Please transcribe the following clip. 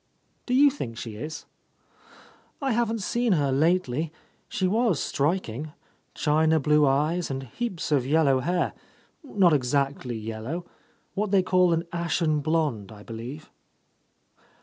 '' "Do you think she is?'' "I haven't seen her lately. She was striking, — china blue eyes and heaps of yellow hair, not exactly yellow, — ^what they call an ashen blond, I believe.